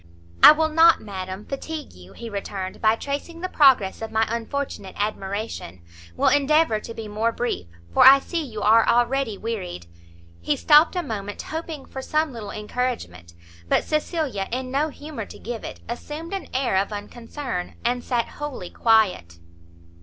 "I will not, madam, fatigue you," he returned, "by tracing the progress of my unfortunate admiration; will endeavour to be more brief, for I see you are already wearied." He stopt a moment, hoping for some little encouragement; but Cecilia, in no humour to give it, assumed an air of unconcern, and sat wholly quiet.